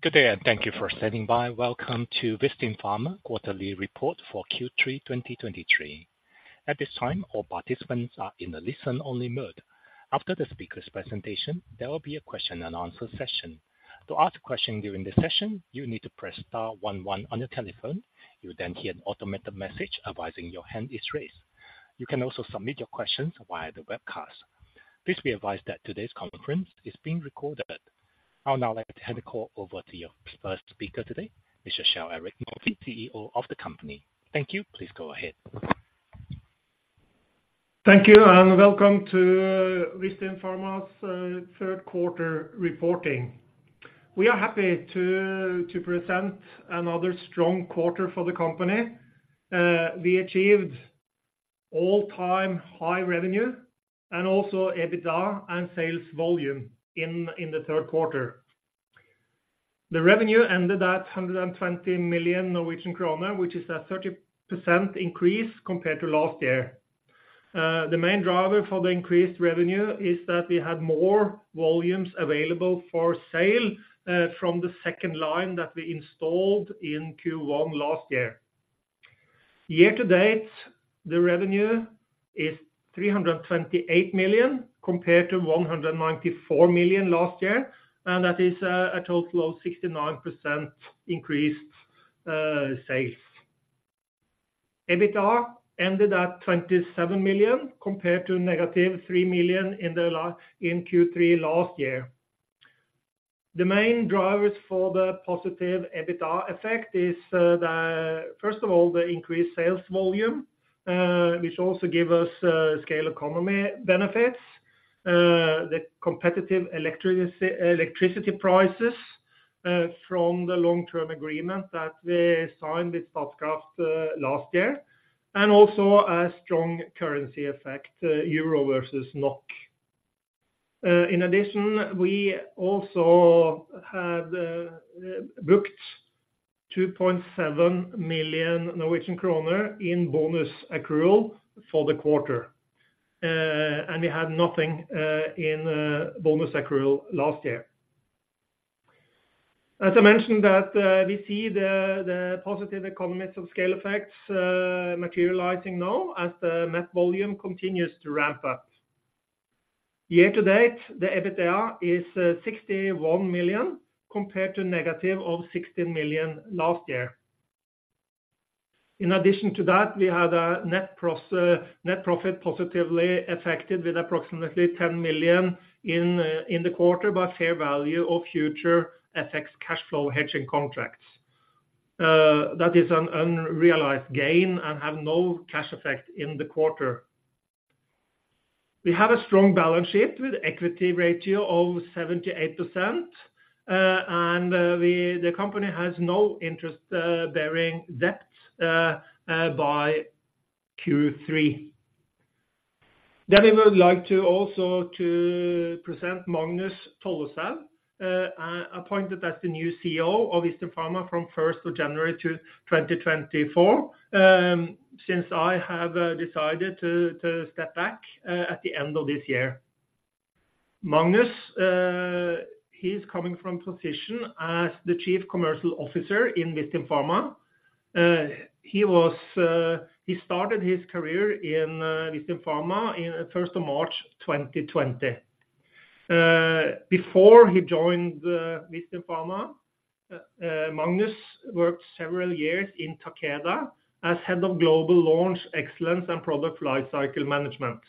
Good day, and thank you for standing by. Welcome to Vistin Pharma quarterly report for Q3 2023. At this time, all participants are in a listen-only mode. After the speaker's presentation, there will be a question and answer session. To ask a question during this session, you need to press star one one on your telephone. You'll then hear an automated message advising your hand is raised. You can also submit your questions via the webcast. Please be advised that today's conference is being recorded. I'll now like to hand the call over to your first speaker today, Mr. Kjell-Erik Nordby, CEO of the company. Thank you. Please go ahead. Thank you, and welcome to Vistin Pharma's third quarter reporting. We are happy to present another strong quarter for the company. We achieved all-time high revenue and also EBITDA and sales volume in the third quarter. The revenue ended at 120 million Norwegian kroner, which is a 30% increase compared to last year. The main driver for the increased revenue is that we had more volumes available for sale from the second line that we installed in Q1 last year. Year to date, the revenue is 328 million, compared to 194 million last year, and that is a total of 69% increased sales. EBITDA ended at 27 million, compared to -3 million in Q3 last year. The main drivers for the positive EBITDA effect is, the, first of all, the increased sales volume, which also give us, scale economy benefits. The competitive electricity prices, from the long-term agreement that we signed with Statkraft, last year, and also a strong currency effect, euro versus NOK. In addition, we also had, booked 2.7 million Norwegian kroner in bonus accrual for the quarter, and we had nothing, in, bonus accrual last year. As I mentioned that, we see the, the positive economies of scale effects, materializing now as the net volume continues to ramp up. Year-to-date, the EBITDA is, 61 million, compared to negative of 16 million last year. In addition to that, we had a net profit positively affected with approximately 10 million in the quarter by fair value of future FX cash flow hedging contracts. That is an unrealized gain and have no cash effect in the quarter. We have a strong balance sheet with equity ratio of 78%, and the company has no interest-bearing debt by Q3. Then we would like to also present Magnus Tolleshaug appointed as the new CEO of Vistin Pharma from first of January 2024. Since I have decided to step back at the end of this year. Magnus, he's coming from position as the Chief Commercial Officer in Vistin Pharma. He started his career in Vistin Pharma in first of March 2020. Before he joined Vistin Pharma, Magnus worked several years in Takeda as Head of Global Launch Excellence and Product Lifecycle Management,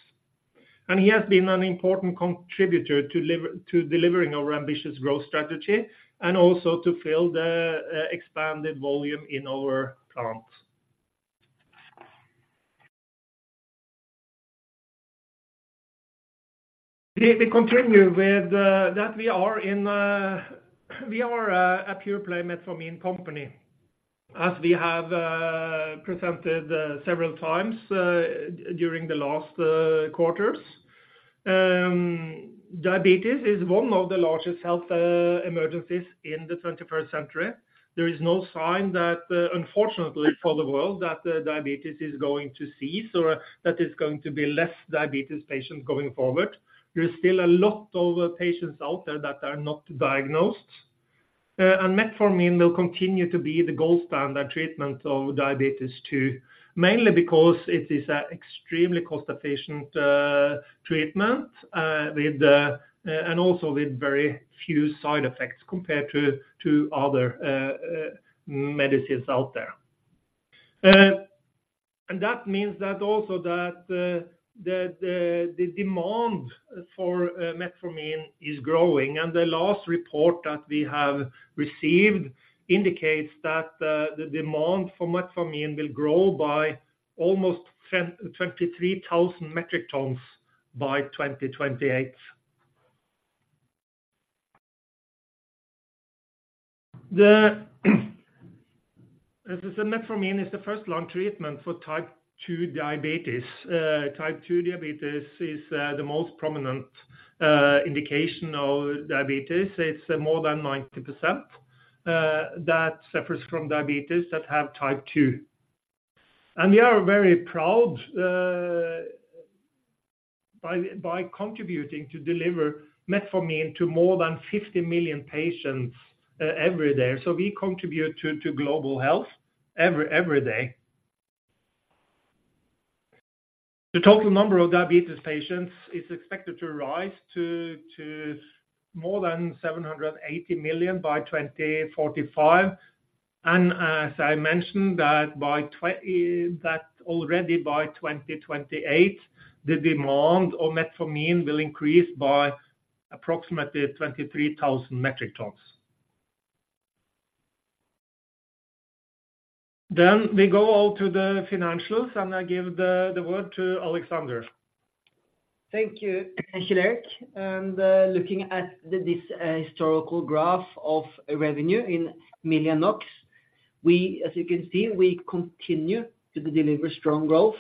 and he has been an important contributor to delivering our ambitious growth strategy, and also to fill the expanded volume in our plant. We continue with that we are a pure-play metformin company, as we have presented several times during the last quarters. Diabetes is one of the largest health emergencies in the twenty-first century. There is no sign that, unfortunately for the world, that diabetes is going to cease, or that there's going to be less diabetes patients going forward. There is still a lot of patients out there that are not diagnosed, and metformin will continue to be the gold standard treatment of diabetes type 2, mainly because it is an extremely cost-efficient treatment with and also with very few side effects compared to other medicines out there. And that means that the demand for metformin is growing, and the last report that we have received indicates that the demand for metformin will grow by almost 10-23,000 metric tons by 2028. As the metformin is the first-line treatment for type 2 diabetes. Type 2 diabetes is the most prominent indication of diabetes. It's more than 90% that suffers from diabetes that have type 2. And we are very proud by contributing to deliver metformin to more than 50 million patients every day. So we contribute to global health every day. The total number of diabetes patients is expected to rise to more than 780 million by 2045. And as I mentioned, that already by 2028, the demand of metformin will increase by approximately 23,000 metric tons. Then we go out to the financials, and I give the word to Alexander. Thank you. Thank you, Erik. Looking at this historical graph of revenue in million NOK, as you can see, we continue to deliver strong growth.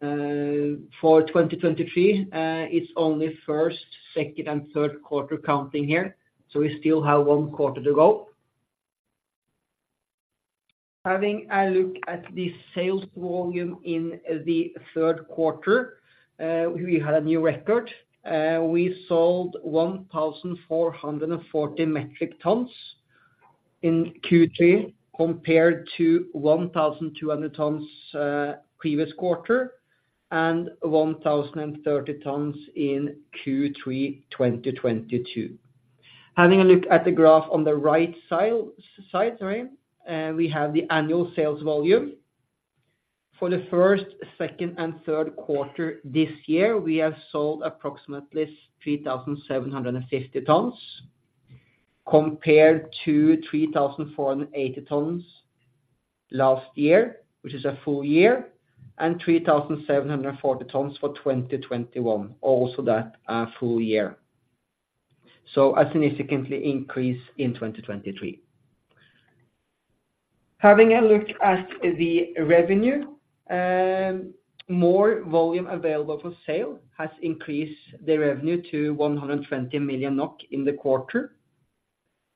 For 2023, it's only first, second, and third quarter counting here, so we still have one quarter to go. Having a look at the sales volume in the third quarter, we had a new record. We sold 1,400 metric tons in Q3, compared to 1,200 tons previous quarter, and 1,030 tons in Q3 2022. Having a look at the graph on the right side, sorry, we have the annual sales volume. For the first, second, and third quarter this year, we have sold approximately 3,750 tons, compared to 3,480 tons last year, which is a full year, and 3,740 tons for 2021, also that full year. A significantly increase in 2023. Having a look at the revenue, more volume available for sale has increased the revenue to 120 million NOK in the quarter.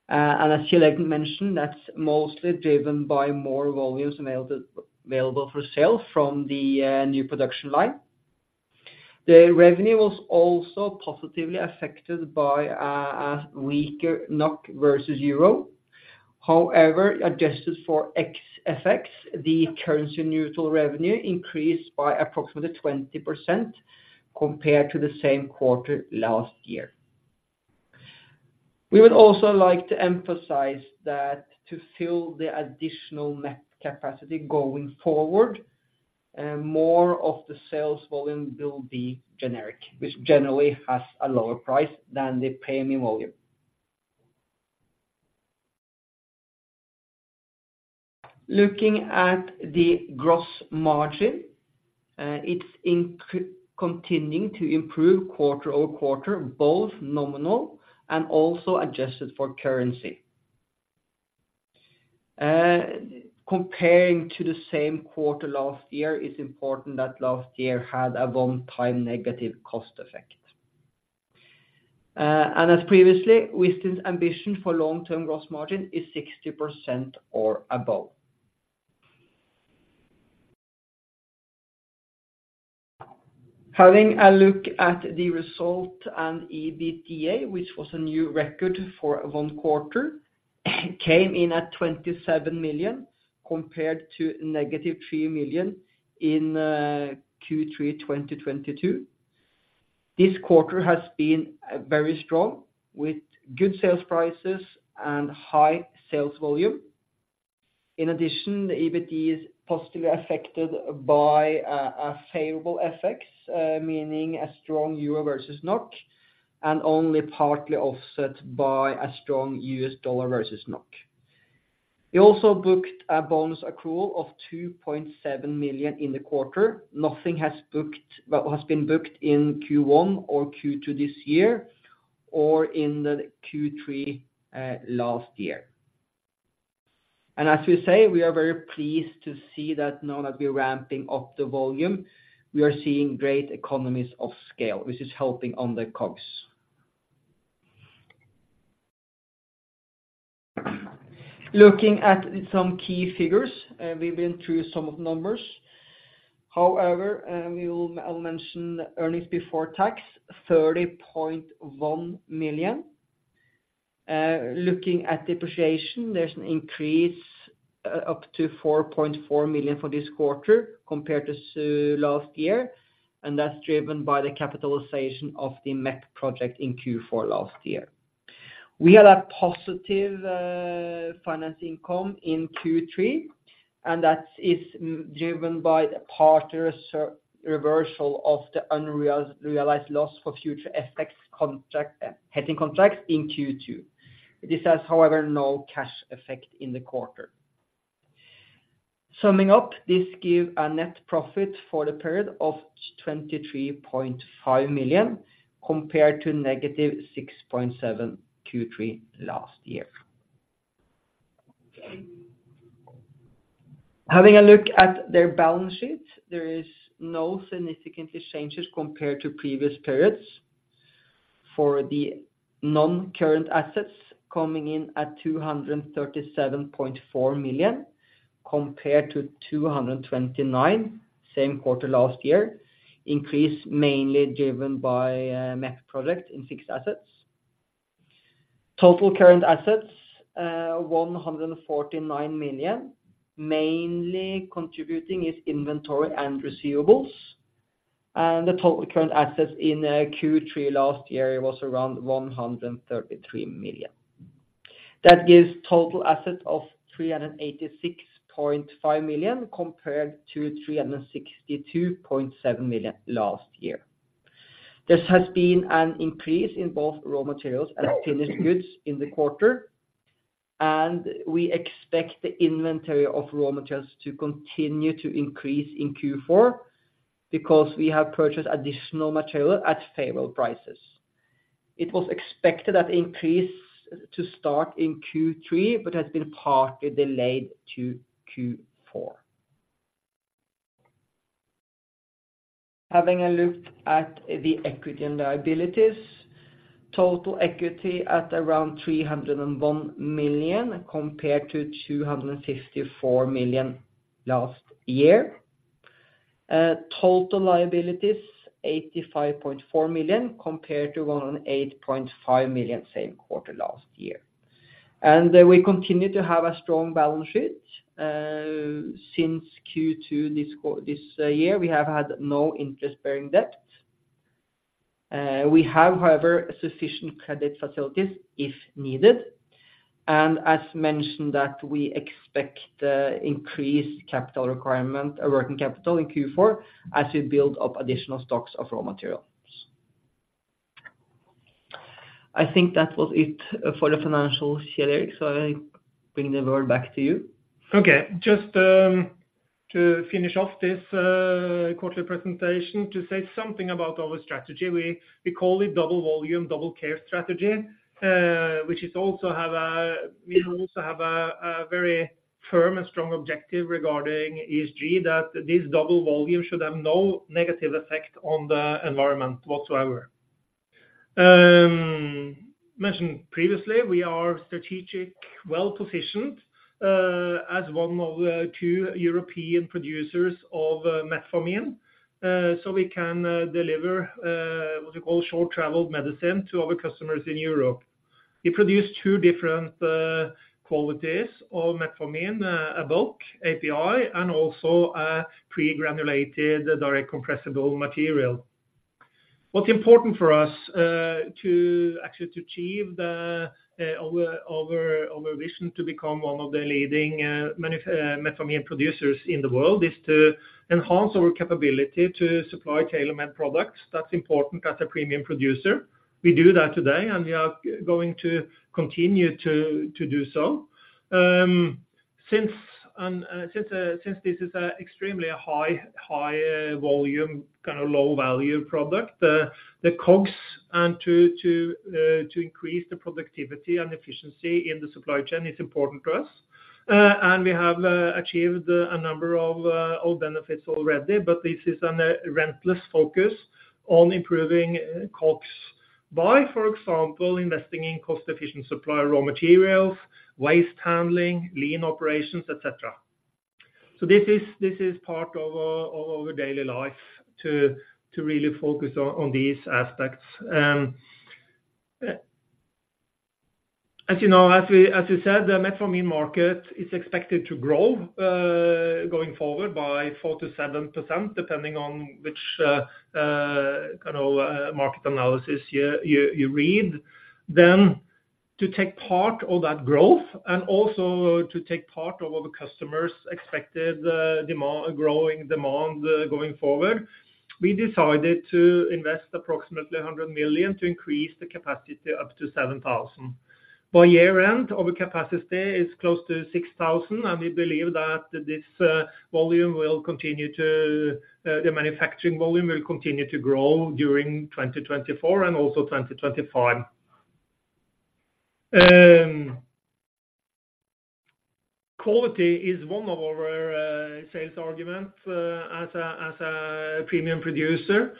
And as Kjell-Erik mentioned, that's mostly driven by more volumes available for sale from the new production line. The revenue was also positively affected by a weaker NOK versus euro. However, adjusted for FX effects, the currency neutral revenue increased by approximately 20% compared to the same quarter last year. We would also like to emphasize that to fill the additional net capacity going forward, more of the sales volume will be generic, which generally has a lower price than the premix volume. Looking at the gross margin, it's continuing to improve quarter-over-quarter, both nominal and also adjusted for currency. Comparing to the same quarter last year, it's important that last year had a one-time negative cost effect. And as previously, the ambition for long-term gross margin is 60% or above. Having a look at the result and EBITDA, which was a new record for one quarter, came in at 27 million, compared to -3 million in Q3 2022. This quarter has been very strong, with good sales prices and high sales volume. In addition, the EBITDA is positively affected by a favorable FX, meaning a strong euro versus NOK, and only partly offset by a strong U.S. dollar versus NOK. We also booked a bonus accrual of 2.7 million in the quarter. Nothing has booked, but has been booked in Q1 or Q2 this year, or in the Q3 last year. And as we say, we are very pleased to see that now that we're ramping up the volume, we are seeing great economies of scale, which is helping on the costs. Looking at some key figures, we've been through some of the numbers. However, we will- I'll mention earnings before tax, 30.1 million. Looking at depreciation, there's an increase up to 4.4 million for this quarter compared to last year, and that's driven by the capitalization of the MEP project in Q4 last year. We had a positive financing income in Q3, and that is driven by the partner's reversal of the unrealized loss for future FX contract, hedging contracts in Q2. This has, however, no cash effect in the quarter. Summing up, this give a net profit for the period of 23.5 million, compared to negative 6.7 million Q3 last year. Having a look at the balance sheet, there is no significant changes compared to previous periods. For the non-current assets coming in at 237.4 million, compared to 229 million same quarter last year, increase mainly driven by MEP project in fixed assets. Total current assets, 149 million, mainly contributing is inventory and receivables, and the total current assets in Q3 last year was around 133 million. That gives total assets of 386.5 million, compared to 362.7 million last year. This has been an increase in both raw materials and finished goods in the quarter, and we expect the inventory of raw materials to continue to increase in Q4 because we have purchased additional material at favorable prices. It was expected that increase to start in Q3, but has been partly delayed to Q4. Having a look at the equity and liabilities, total equity at around 301 million, compared to 254 million last year. Total liabilities, 85.4 million, compared to 108.5 million, same quarter last year. We continue to have a strong balance sheet. Since Q2, this year, we have had no interest-bearing debt. We have, however, sufficient credit facilities if needed, and as mentioned, that we expect increased capital requirement, a working capital in Q4 as we build up additional stocks of raw materials. I think that was it for the financial share, so I bring the word back to you. Okay. Just, to finish off this, quarterly presentation, to say something about our strategy, we, we call it double volume, double care strategy, which is also have a, we also have a, a very firm and strong objective regarding ESG, that this double volume should have no negative effect on the environment whatsoever. Mentioned previously, we are strategic, well-positioned, as one of the two European producers of, metformin. So we can, deliver, what we call short-traveled medicine to our customers in Europe. We produce two different, qualities of metformin, a bulk API, and also a pre-granulated, direct compressible material. What's important for us, to actually to achieve the, our, our, our vision to become one of the leading, manif- metformin producers in the world, is to enhance our capability to supply tailor-made products. That's important as a premium producer. We do that today, and we are going to continue to do so. Since this is an extremely high volume, kind of low-value product, the COGS and to increase the productivity and efficiency in the supply chain is important to us. And we have achieved a number of benefits already, but this is a relentless focus on improving COGS by, for example, investing in cost-efficient supplier raw materials, waste handling, lean operations, et cetera. So this is part of our daily life to really focus on these aspects. As you know, as you said, the metformin market is expected to grow going forward by 4%-7%, depending on which kind of market analysis you read. Then to take part of that growth and also to take part of our customers' expected demand, growing demand going forward, we decided to invest approximately 100 million to increase the capacity up to 7,000. By year-end, our capacity is close to 6,000, and we believe that this volume will continue to the manufacturing volume will continue to grow during 2024 and also 2025. Quality is one of our sales arguments as a premium producer.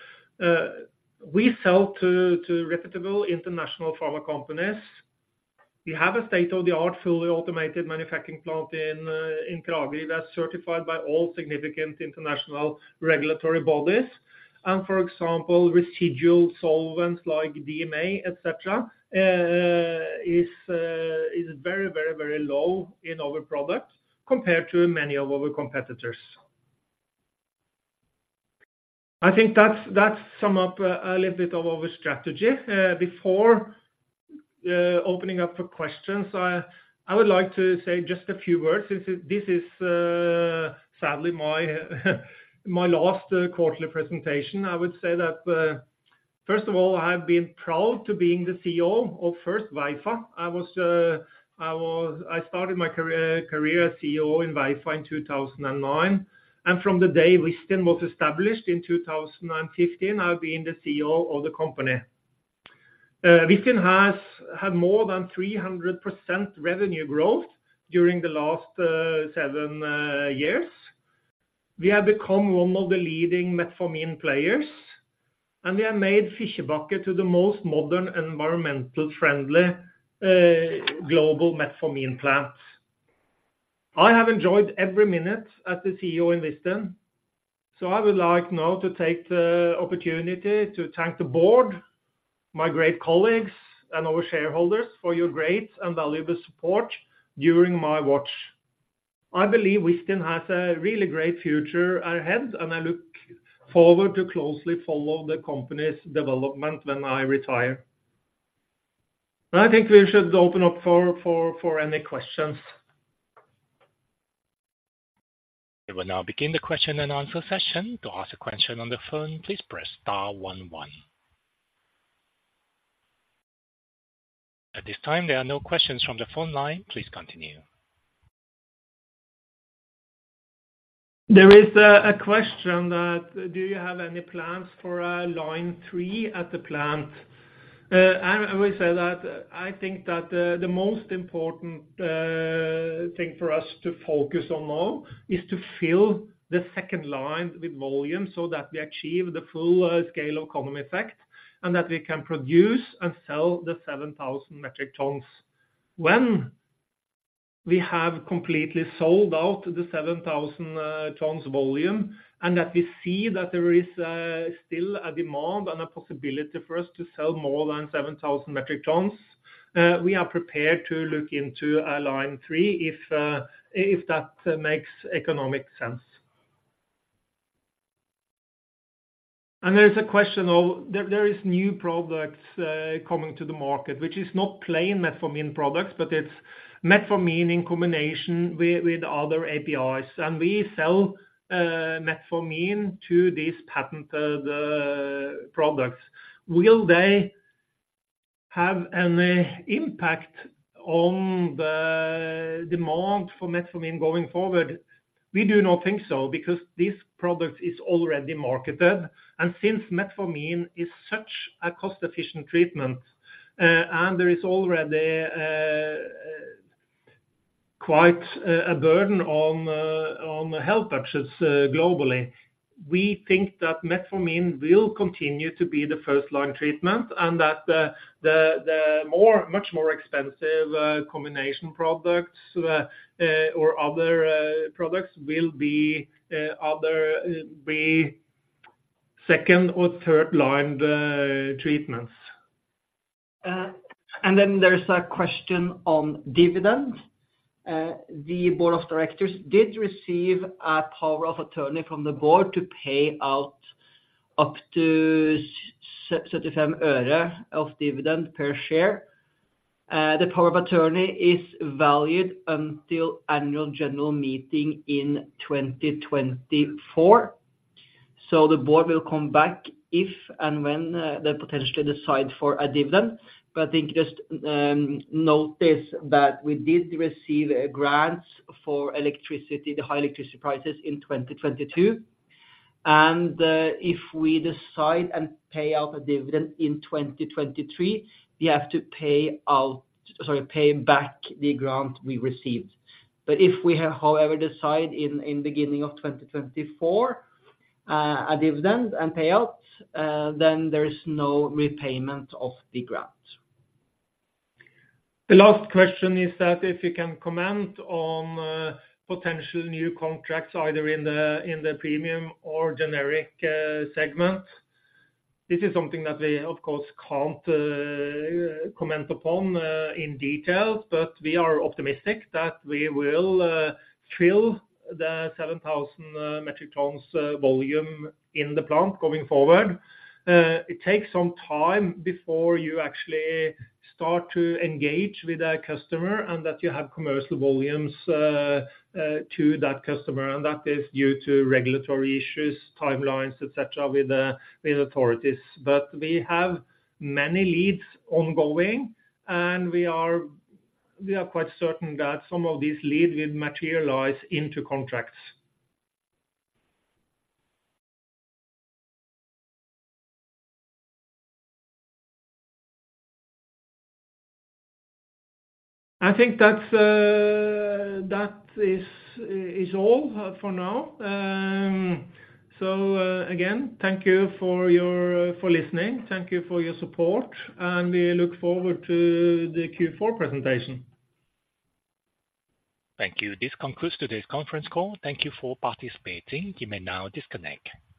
We sell to reputable international pharma companies. We have a state-of-the-art, fully automated manufacturing plant in Kragerø, that's certified by all significant international regulatory bodies. For example, residual solvents like DMA, et cetera, is very, very, very low in our products compared to many of our competitors. I think that's sum up a little bit of our strategy. Before opening up for questions, I would like to say just a few words. This is sadly my last quarterly presentation. I would say that first of all, I've been proud to being the CEO of first Weifa. I started my career as CEO in Weifa in 2009, and from the day Vistin was established in 2015, I've been the CEO of the company. Vistin has had more than 300% revenue growth during the last seven years. We have become one of the leading metformin players, and we have made Fikkjebakke the most modern and environmentally friendly global metformin plant. I have enjoyed every minute as the CEO in Vistin, so I would like now to take the opportunity to thank the board, my great colleagues, and our shareholders for your great and valuable support during my watch. I believe Vistin has a really great future ahead, and I look forward to closely follow the company's development when I retire. And I think we should open up for any questions. We will now begin the question-and-answer session. To ask a question on the phone, please press star one one. At this time, there are no questions from the phone line. Please continue. There is a question that, do you have any plans for a line three at the plant? I would say that I think that the most important thing for us to focus on now is to fill the second line with volume so that we achieve the full scale of economy effect, and that we can produce and sell the 7,000 metric tons. When we have completely sold out the 7,000 tons volume, and that we see that there is still a demand and a possibility for us to sell more than 7,000 metric tons, we are prepared to look into a line three, if that makes economic sense. And there's a question of there is new products coming to the market, which is not plain metformin products, but it's metformin in combination with other APIs. And we sell metformin to these patented products. Will they have any impact on the demand for metformin going forward? We do not think so, because this product is already marketed, and since metformin is such a cost-efficient treatment, and there is already quite a burden on health budgets globally, we think that metformin will continue to be the first-line treatment, and that the much more expensive combination products or other products will be other second- or third-line treatments. And then there's a question on dividend. The board of directors did receive a power of attorney from the board to pay out up to 35 øre of dividend per share. The power of attorney is valid until annual general meeting in 2024. So the board will come back if and when they potentially decide for a dividend. But I think just notice that we did receive grants for electricity, the high electricity prices in 2022, and if we decide and pay out a dividend in 2023, we have to pay out, sorry, pay back the grant we received. But if we have, however, decide in the beginning of 2024 a dividend and payout, then there is no repayment of the grant. The last question is that if you can comment on potential new contracts, either in the premium or generic segment. This is something that we, of course, can't comment upon in detail, but we are optimistic that we will fill the 7,000 metric tons volume in the plant going forward. It takes some time before you actually start to engage with a customer and that you have commercial volumes to that customer, and that is due to regulatory issues, timelines, et cetera, with the authorities. But we have many leads ongoing, and we are quite certain that some of these leads will materialize into contracts. I think that's all for now. So, again, thank you for listening. Thank you for your support, and we look forward to the Q4 presentation. Thank you. This concludes today's conference call. Thank you for participating. You may now disconnect.